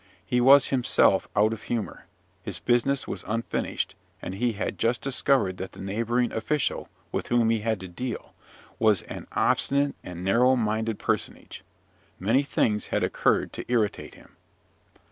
He was himself out of humour; his business was unfinished; and he had just discovered that the neighbouring official with whom he had to deal, was an obstinate and narrow minded personage. Many things had occurred to irritate him.